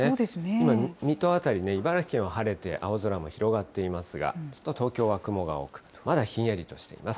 今、水戸辺り、茨城県は晴れて青空も広がっていますが、ちょっと東京は雲が多く、まだひんやりとしています。